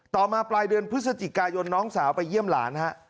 มาปลายเดือนพฤศจิกายนน้องสาวไปเยี่ยมหลานฮะ